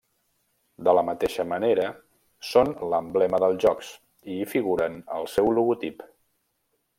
De la mateixa manera, són l'emblema dels Jocs i hi figuren al seu logotip.